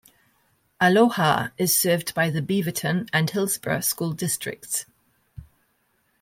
Aloha is served by the Beaverton and Hillsboro school districts.